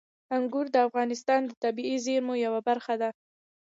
انګور د افغانستان د طبیعي زیرمو یوه برخه ده.